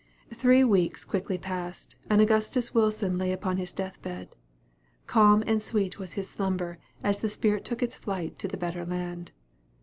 Three weeks quickly passed, and Augustus Wilson lay upon his death bed. Calm and sweet was his slumber, as the spirit took its flight to the better land.